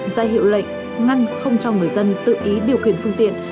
ra hiệu lệnh ngăn không cho người dân tự ý điều khiển phương tiện